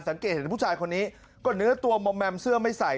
สังเกตเห็นผู้ชายคนนี้ก็เนื้อตัวมอมแมมเสื้อไม่ใส่